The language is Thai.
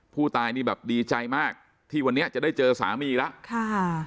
ผู้ตายนี่แบบดีใจมากที่วันนี้จะได้เจอสามีแล้วค่ะ